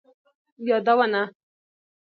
یادونه: